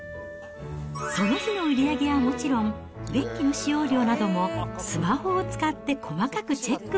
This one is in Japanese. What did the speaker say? その日の売り上げはもちろん、電気の使用量などもスマホを使って細かくチェック。